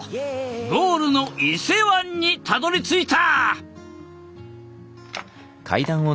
ゴールの伊勢湾にたどりついた！